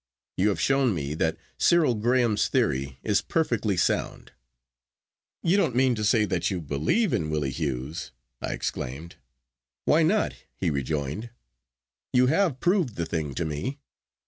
You have shown me that Cyril Graham's theory is perfectly sound.' 'You don't mean to say that you believe in Willie Hughes?' I exclaimed. 'Why not?' he rejoined. 'You have proved the thing to me.